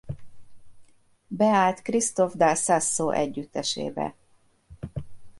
Beállt Christophe Dal Sasso együttesébe.